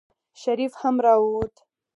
شريف هم راووت.